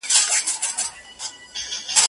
ژبور او سترګور دواړه په ګور دي